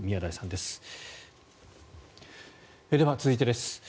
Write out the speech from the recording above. では続いてです。